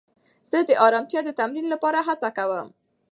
زه د ارامتیا د تمرین لپاره هڅه کوم.